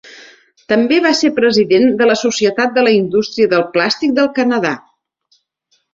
També va ser president de la Societat de la Indústria del Plàstic del Canadà.